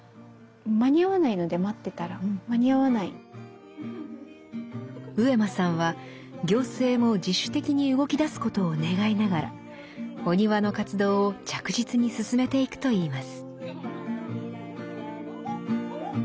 ただ上間さんは行政も自主的に動きだすことを願いながらおにわの活動を着実に進めていくと言います。